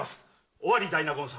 尾張大納言様